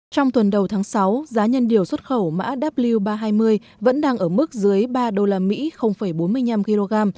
trong tuần đầu tháng sáu giá nhân điều xuất khẩu mã w ba trăm hai mươi vẫn đang ở mức dưới ba usd bốn mươi năm kg